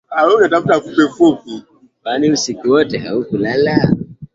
Kwani usiku wote haukulala